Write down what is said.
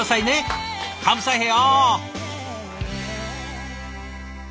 カムサヘヨ！